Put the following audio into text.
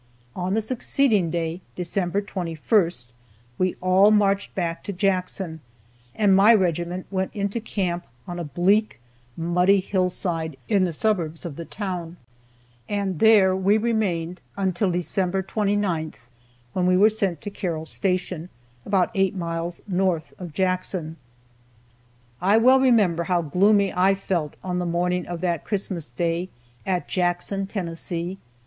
On the succeeding day, December 21st, we all marched back to Jackson, and my regiment went into camp on a bleak, muddy hillside in the suburbs of the town, and there we remained until December 29th, when we were sent to Carroll Station, about eight miles north of Jackson. I well remember how gloomy I felt on the morning of that Christmas Day at Jackson, Tennessee.